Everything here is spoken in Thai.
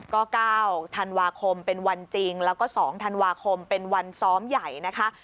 ก็๙ธันวาคมเป็นวันจริงแล้วก็๒ธันวาคมเป็นวันซ้อมใหญ่นะคะ